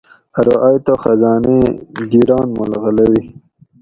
ارو ائ تہ خزان ایں گِران ملغلری